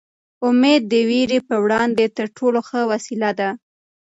امېد د وېرې په وړاندې تر ټولو ښه وسله ده.